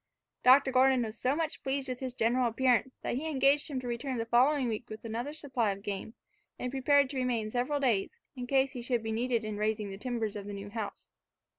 Dr. Gordon was so much pleased with his general appearance, that he engaged him to return the following week with another supply of game, and prepared to remain several days, in case he should be needed in raising the timbers of the new house.